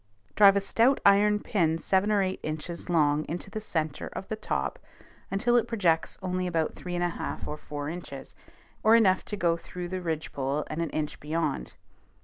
Drive a stout iron pin seven or eight inches long into the centre of the top until it projects only about three and a half or four inches, or enough to go through the ridgepole and an inch beyond.